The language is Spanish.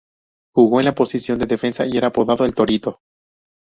Jugó en la posición de defensa y era apodado "El Torito".